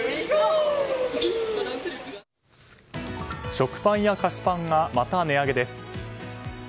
食パンや菓子パンがまた値上げです。